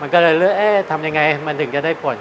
มันก็เลยเรียกว่าทำยังไงมันถึงจะได้ผล